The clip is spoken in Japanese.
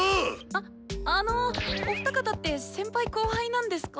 ああのお二方って先輩後輩なんですか？